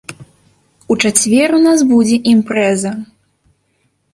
У чацвер у нас будзе імпрэза.